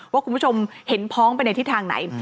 ว่าคุณผู้ชมเห็นพ้องไปในทิศทางไหน